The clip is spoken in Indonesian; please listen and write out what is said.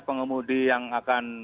pengemudi yang akan